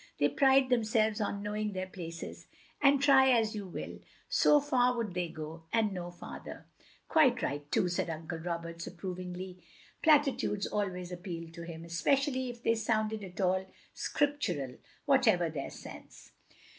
They pride themselves on knowing their places, and try as you will — so far would they go, and no farther." " Quite right too, " said Uncle Roberts, approv OP GROSVENOR SQUARE 155 ingly. Platitudes always appealed to him, espe cially if they sounded at all Scriptural, whatever their sense.